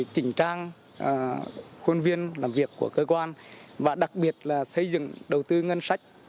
chỉnh trang khuôn viên làm việc của cơ quan và đặc biệt là xây dựng đầu tư ngân sách